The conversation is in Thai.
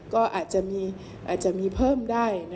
ก็อาจจะมีเพิ่มได้